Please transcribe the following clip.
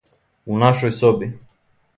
У нашој соби.